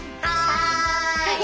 はい！